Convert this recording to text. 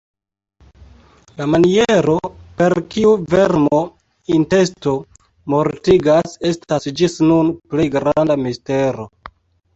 La maniero, per kiu "vermo-intesto" mortigas, estas ĝis nun plej granda mistero.